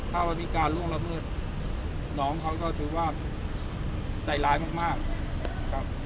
ถ้าเรามีการล่วงละเมิดน้องเขาก็ถือว่าใจร้ายมากนะครับ